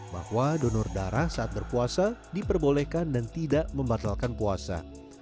bahwa donor darah saat berpuasa diperbolehkan dan tidak membatalkan puasa